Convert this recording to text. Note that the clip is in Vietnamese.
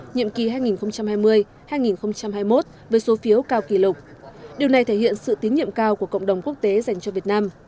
nhiệm kỳ hai nghìn hai mươi hai nghìn hai mươi một với số phiếu cao kỷ lục điều này thể hiện sự tín nhiệm cao của cộng đồng quốc tế dành cho việt nam